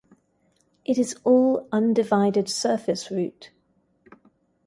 It is all undivided surface route.